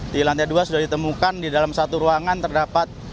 di lantai dua sudah ditemukan di dalam satu ruangan terdapat